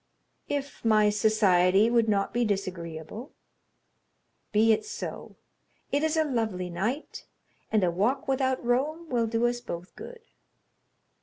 "If my society would not be disagreeable." "Be it so. It is a lovely night, and a walk without Rome will do us both good."